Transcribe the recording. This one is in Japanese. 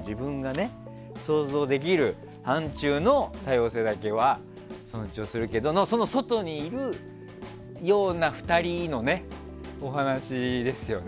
自分が想像できる範疇の多様性だけは尊重するけどその外にいるような２人のお話ですよね。